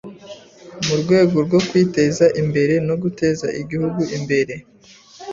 Mu rwego rwo kwiteza imbere no guteza Igihugu imbere,